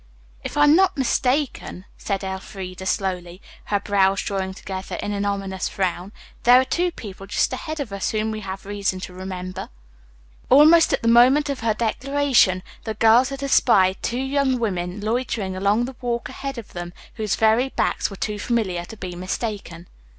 "If I'm not mistaken," said Elfreda slowly, her brows drawing together in an ominous frown, "there are two people just ahead of us whom we have reason to remember." Almost at the moment of her declaration the girls had espied two young women loitering along the walk ahead of them whose very backs were too familiar to be mistaken.